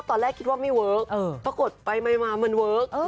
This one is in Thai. ตอนแรกคิดว่าไม่เมื่อกี่พักกดไปมันเมื่อกี่